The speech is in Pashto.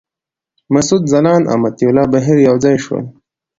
مسعود ځلاند او مطیع الله بهیر یو ځای شول.